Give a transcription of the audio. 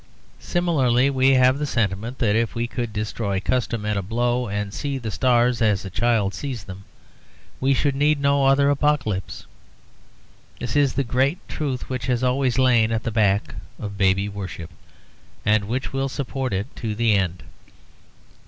Similarly, we have the sentiment that if we could destroy custom at a blow and see the stars as a child sees them, we should need no other apocalypse. This is the great truth which has always lain at the back of baby worship, and which will support it to the end.